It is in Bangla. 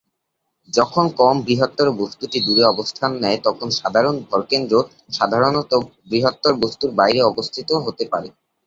যখন কম বৃহত্তর বস্তুটি দূরে অবস্থান নেয়, তখন সাধারণ ভরকেন্দ্র সাধারণত বৃহত্তর বস্তুর বাইরে অবস্থিত হতে পারে।